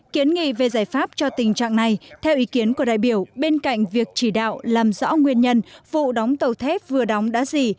kiến nghị về giải pháp cho tình trạng này theo ý kiến của đại biểu bên cạnh việc chỉ đạo làm rõ nguyên nhân vụ đóng tàu thép vừa đóng đã gì